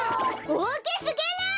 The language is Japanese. おおきすぎる！